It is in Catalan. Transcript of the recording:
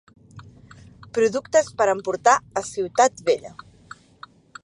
Productes per emportar a Ciutat Vella.